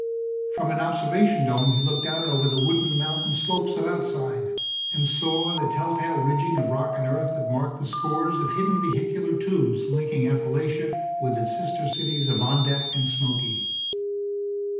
From an observation dome he looked out over the wooded mountain slopes of Outside, and saw the telltale ridging of rock and earth that marked the scores of hidden vehicular tubes linking Appalachia with its sister cities of Ondack and Smoky.